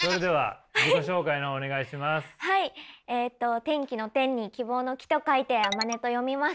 天気の「天」に希望の「希」と書いてあまねと読みます。